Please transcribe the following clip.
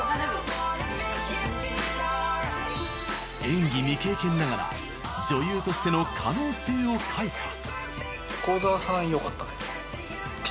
演技未経験ながら女優としての可能性を開花。